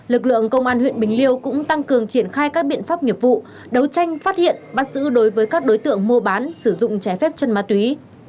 lực lượng công an huyện bình liêu cũng tăng cường triển khai các biện pháp nghiệp vụ đấu tranh phát hiện bắt giữ đối với các đối tượng mua bán sử dụng trái phép chân ma túy